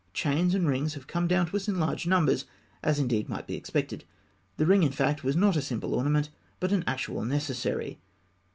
Chains and rings have come down to us in large numbers, as indeed might be expected. The ring, in fact, was not a simple ornament, but an actual necessary.